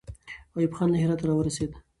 ایوب خان له هراته راورسېد.